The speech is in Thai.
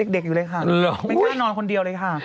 เด็กอยู่เลยค่ะไม่กล้านอนคนเดียวเลยค่ะ